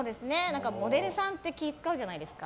モデルさんって気を使うじゃないですか。